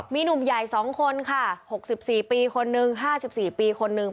มีหนุ่มใหญ่๒คนค่ะ๖๔ปีคนนึง๕๔ปีคนนึง